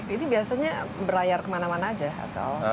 ini biasanya berlayar kemana mana aja atau